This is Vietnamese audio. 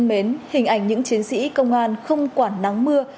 mến hình ảnh những chiến sĩ công an không quản nắng mưa